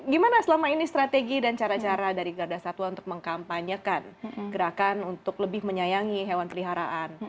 gimana selama ini strategi dan cara cara dari garda satwa untuk mengkampanyekan gerakan untuk lebih menyayangi hewan peliharaan